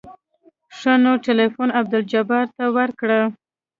ښه نو ټېلفون عبدالجبار ته ورکه.